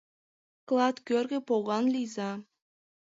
Клат кӧргӧ поган лийза!